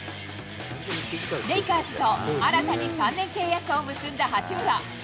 レイカーズと新たに３年契約を結んだ八村。